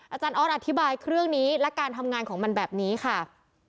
อาจารย์ออสอธิบายเครื่องนี้และการทำงานของมันแบบนี้ค่ะ